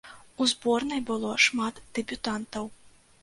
У зборнай было шмат дэбютантаў.